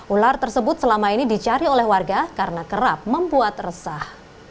ular tersebut selama ini dicari oleh warga karena kerap membuat resah